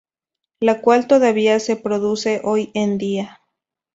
La cual todavía se produce hoy en día.